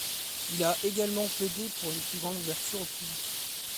Il a également plaidé pour une plus grande ouverture au public.